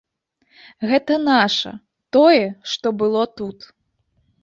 Гэта наша, тое, што было тут.